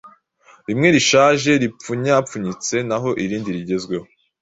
rimwe rishaje, ryipfunyapfunyitse naho irindi rigezweho.